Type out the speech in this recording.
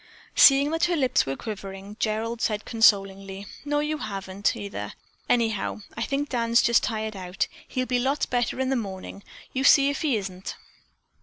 Seeing that her lips were quivering, Gerald said consolingly: "No, you haven't, either. Anyhow, I think Dan's just tired out. He'll be lots better in the morning. You see if he isn't."